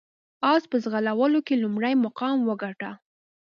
اس په ځغلولو کې لومړی مقام وګاټه.